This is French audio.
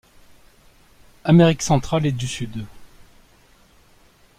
Amérique centrale et du Sud.